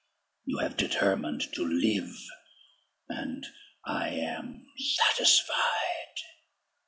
you have determined to live, and I am satisfied."